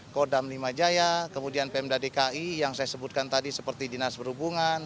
kodam lima jaya kemudian pemda dki yang saya sebutkan tadi seperti dinas perhubungan